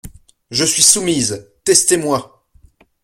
Je suis soumise, testez-moi!